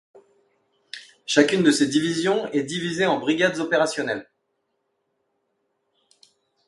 Chacune de ces divisions est divisée en brigades opérationnelles.